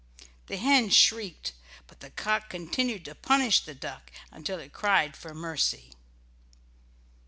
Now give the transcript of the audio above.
The hen shrieked, but the cock continued to punish the duck until it cried for mercy.